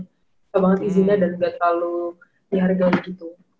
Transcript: kita banget izinnya dan gak terlalu dihargai gitu